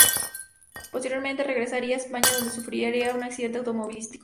Posteriormente regresaría a España, donde sufriría un accidente automovilístico.